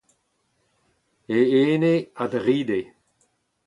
E ene a dride.